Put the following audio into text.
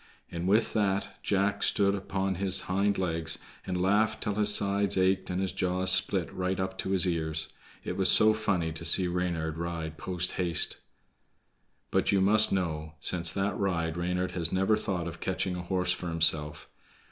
And with that Jack stood upon his hind legs, and laughed till his sides ached and his jaws split right up to his ears. It was so funny to see Reynard ride post haste. But you must know, since that ride Reynard has never thought of catching a horse for himself.